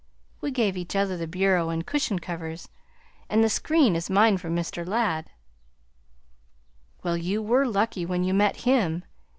We gave each other the bureau and cushion covers, and the screen is mine from Mr. Ladd." "Well, you were lucky when you met him!